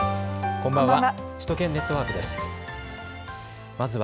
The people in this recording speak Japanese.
こんばんは。